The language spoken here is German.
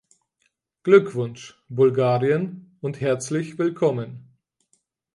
Glückwunsch, Bulgarien – und herzlich willkommen!